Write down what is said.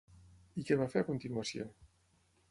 I què va fer a continuació?